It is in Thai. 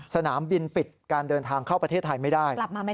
สนามบินปิดการเดินทางเข้าประเทศไทยไม่ได้